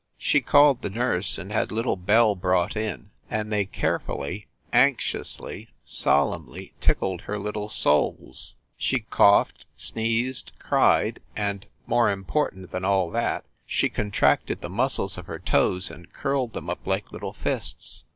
She called the nurse and had little Belle brought in, and they carefully, anxiously, solemnly tickled her little soles. She coughed, sneezed, cried, and, more important than all that, she contracted the muscles of her toes and curled them up like little fists.